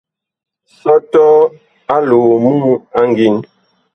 Sɔtɔɔ aloo muŋ a ngin.